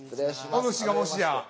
お主がもしや。